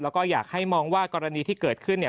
แล้วก็อยากให้มองว่ากรณีที่เกิดขึ้นเนี่ย